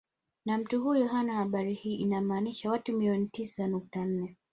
Na mtu huyo hana habari hii inamaanisha watu milioni tisa nukta nne